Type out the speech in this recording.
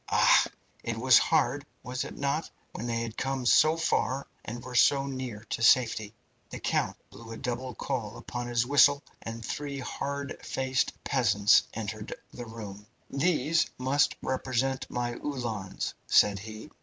Ah! it was hard, was it not, when they had come so far and were so near to safety?" The count blew a double call upon his whistle, and three hard faced peasants entered the room. "These must represent my Uhlans," said he.